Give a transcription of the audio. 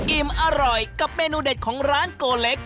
อิ่มอร่อยกับเมนูเด็ดของร้านโกเล็ก